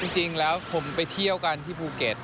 จริงแล้วผมไปเที่ยวกันที่ภูเก็ต